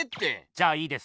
じゃあいいです。